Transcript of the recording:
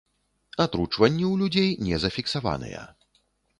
Атручванні ў людзей не зафіксаваныя.